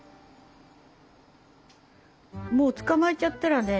もう捕まえちゃったらね